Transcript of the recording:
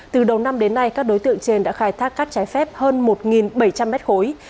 từ đầu năm đến nay các đối tượng trên đã khai thác cát trái phép hơn một bảy trăm linh mét khối